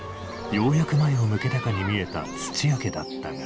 ようやく前を向けたかに見えた土屋家だったが。